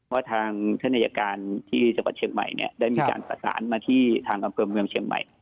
ว่าทางท่านอายการที่จังหวัดเชียงใหม่เนี่ยได้มีการประสานมาที่ทางอำเภอเมืองเชียงใหม่